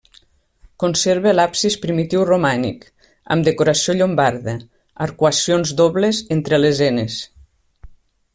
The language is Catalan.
Conserva l'absis primitiu romànic, amb decoració llombarda: arcuacions dobles entre lesenes.